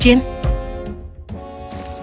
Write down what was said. jangan khawatir eugene